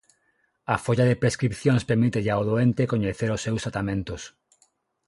A folla de prescripcións permítelle ao doente coñecer os seus tratamentos.